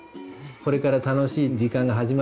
「これから楽しい時間が始まるよ」